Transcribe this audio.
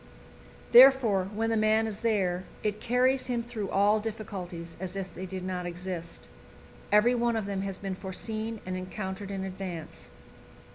Therefore, when the man is there, it carries him through all difficulties as if they did not exist; every one of them has been foreseen and encountered in advance.